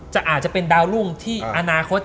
อาจจะเป็นดาวรุ่งที่อนาคต